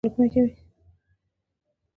هیلۍ د خپل اولاد ساتنه د زړه له کومي کوي